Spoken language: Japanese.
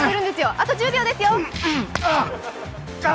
あと１０秒ですよ。